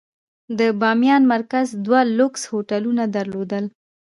د بامیان مرکز دوه لوکس هوټلونه درلودل.